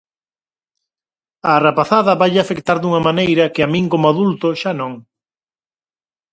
Á rapazada vaille afectar dunha maneira que a min como adulto xa non.